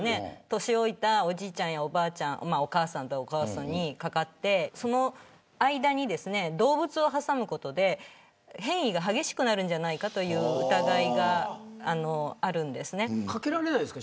年老いた、おじいちゃんやおばあちゃんお父さんお母さんにかかってその間に動物を挟むことで変異が激しくなるんじゃないかというかけられないんですか。